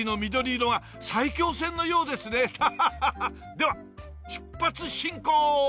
では出発進行！